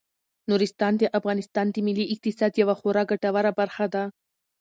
نورستان د افغانستان د ملي اقتصاد یوه خورا ګټوره برخه ده.